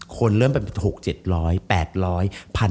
คนเริ่มประมาณ๖๐๐๗๐๐คน